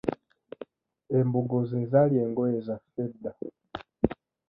Embugo ze zaali engoye zaffe edda.